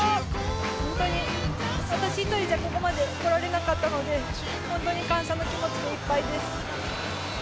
私１人じゃここまで来られなかったので、本当に感謝の気持ちでいっぱいです。